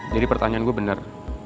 jadi pertanyaan gue bener